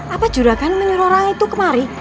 apa curahkan menurut orang itu kemari